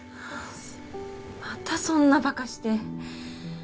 またそんなバカして。